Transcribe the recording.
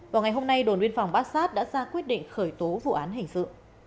vào ngày hôm nay đồn biên phòng bát sát đã ra quyết định khởi tố vụ án hình sự